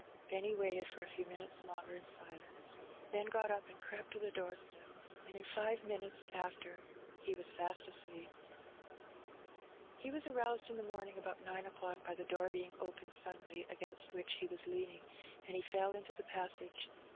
Benny waited for a few minutes longer in silence, then got up and crept to the doorstep, and in five minutes after he was fast asleep. He was aroused in the morning about nine o'clock by the door being opened suddenly, against which he was lean ing, and he fell into the passage.